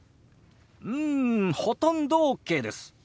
うんほとんどＯＫです。